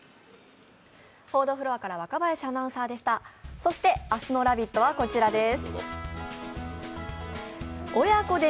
そして明日の「ラヴィット！」はこちらです。